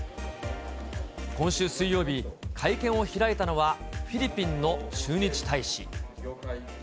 今週水曜日、会見を開いたのは、フィリピンの駐日大使。